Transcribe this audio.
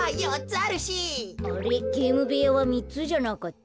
あれっゲームべやはみっつじゃなかった？